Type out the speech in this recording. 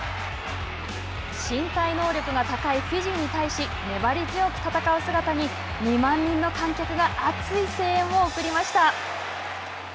身体能力が高いフィジーに対し粘り強く戦う姿に２万人の観客が熱い声援を送りました。